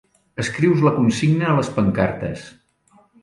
Escrius la consigna a les pancartes.